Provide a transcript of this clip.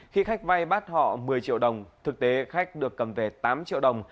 khi khách vay bắt họ một mươi triệu đồng thực tế khách được cầm về tám triệu đồng